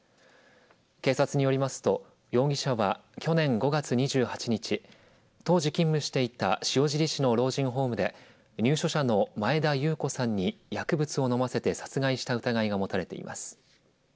警察によりますと容疑者は去年５月２８日当時勤務していた塩尻市の老人ホームで入所者の前田裕子さんに薬物を飲ませて殺害した疑いが持たれています。